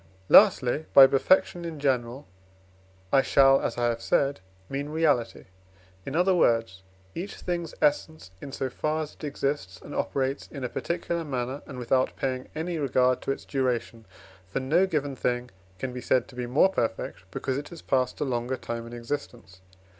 Lastly, by perfection in general I shall, as I have said, mean reality in other words, each thing's essence, in so far as it exists, and operates in a particular manner, and without paying any regard to its duration. For no given thing can be said to be more perfect, because it has passed a longer time in existence.